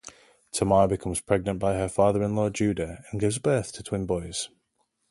Tamar becomes pregnant by her father-in-law, Judah, and gives birth to twin boys.